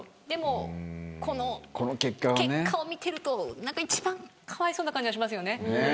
でも、この結果を見てると一番かわいそうな感じがしますよね。